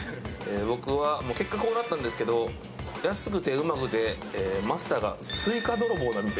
僕は結果こうなったんですけど、安くてうまくて、マスターがスイカ泥棒な店。